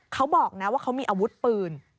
เขาบอกนะว่าเขามีอาวุธปืน